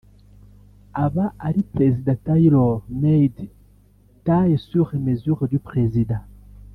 aba ari "president tailor-made" (tailles sur mesure du president)